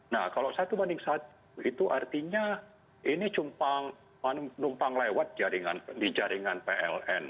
nah kalau satu banding satu itu artinya ini cuma numpang lewat di jaringan pln